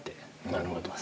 なるほど。